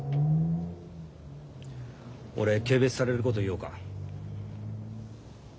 俺軽蔑されること言おうか？